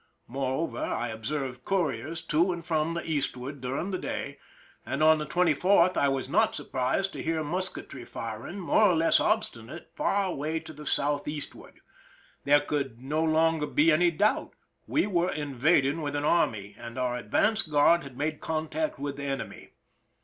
Moreover, I observed couriers to and from the eastward during the day, and on the 24th I was not surprised to hear mus ketry firing, more or less obstinate, far away to the southeastward. There could no longer be any doubt: we were invading with an army, and our advance guard had made contact with the enemy.